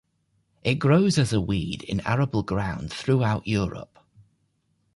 It grows as a weed in arable ground throughout Europe.